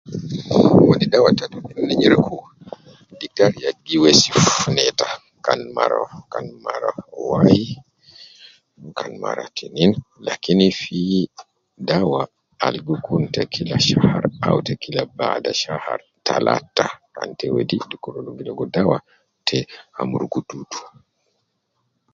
Wedi dawa ta dudu ne nyereku, diktari ya gi wesif neta, kan mara kan mara wai, kan mara tinin, lakini fi dawa al gi kun te kila shahar au te kila bada shahar talata, kan te wedi dukur logo dawa te amurugu dudu